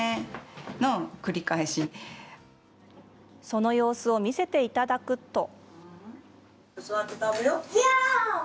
その様子、見せていただくと。